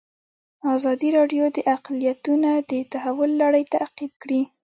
ازادي راډیو د اقلیتونه د تحول لړۍ تعقیب کړې.